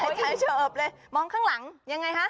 แอสบายใจอ่ะสบายใจเฉิบเลยมองข้างหลังยังไงฮะ